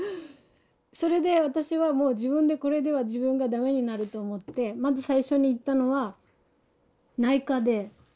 それで私はもう自分でこれでは自分がダメになると思ってまず最初に行ったのは内科で。